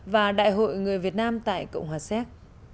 và đại hội người việt nam tại cộng hòa séc